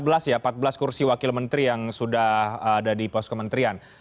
prof sejauh ini ada empat belas ya empat belas kursi wakil menteri yang sudah ada di pos kementerian